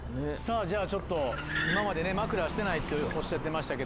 じゃあ今までね枕はしてないとおっしゃってましたけども。